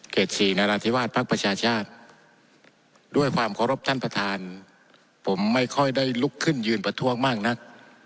สี่นาราธิวาสภักดิ์ประชาชาติด้วยความเคารพท่านประธานผมไม่ค่อยได้ลุกขึ้นยืนประท้วงมากนัก